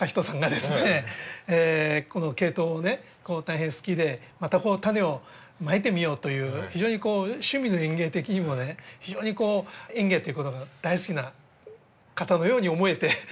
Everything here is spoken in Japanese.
このケイトウを大変好きでまた種をまいてみようという非常に「趣味の園芸」的にもね非常にこう園芸っていうことが大好きな方のように思えて。